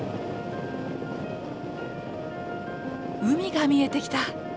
海が見えてきた！